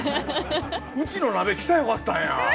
うちの鍋来たらよかったんや。